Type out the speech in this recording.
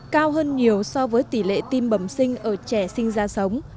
cao hơn nhiều so với tỷ lệ tim bẩm sinh ở trẻ sinh ra sống